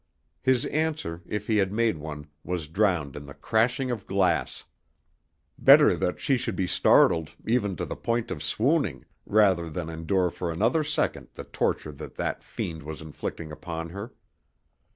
His answer, if he had made one, was drowned in the crashing of glass. Better that she should be startled, even to the point of swooning, rather than endure for another second the torture that that fiend was inflicting upon her.